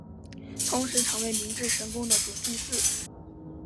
同时成为明治神宫的主祭司。